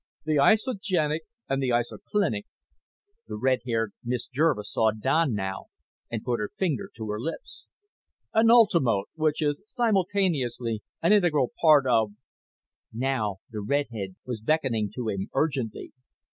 "... the isogenic and the isoclinic ..." The red haired Miss Jervis saw Don now and put her finger to her lips. "... an ultimote, which is simultaneously an integral part of ..." Now the redhead was beckoning to him urgently.